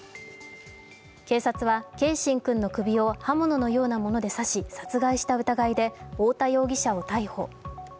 警察は継真君の首を刃物のようなもので刺し殺害した疑いで太田容疑者を逮捕。